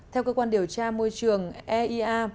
theo cơ quan điều tra môi trường eia